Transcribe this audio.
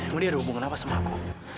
masa dia ada hubungan apa sama aku